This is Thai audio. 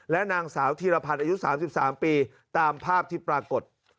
และนางสาวธีรพันธ์อายุ๓๓ปีตามภาพที่ปรากฏ